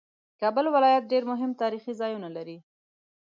کابل ولایت ډېر مهم تاریخي ځایونه لري